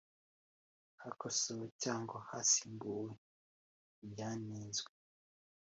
Hakosowe cyangwa hasimbuwe ibyanenzwe